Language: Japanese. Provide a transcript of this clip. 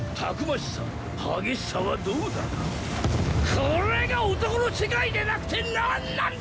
これが男の世界でなくて何なんだ！？